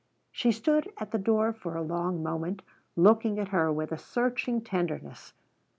She stood at the door for a long moment, looking at her with a searching tenderness.